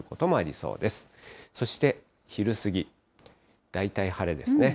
そして昼過ぎ、大体晴れですね。